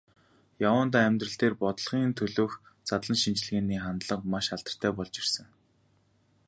Яваандаа амьдрал дээр, бодлогын төлөөх задлан шинжилгээний хандлага маш алдартай болж ирсэн.